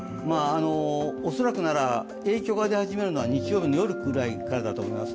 恐らくなら、影響が出始めるのは日曜日の夜ぐらいからだと思います。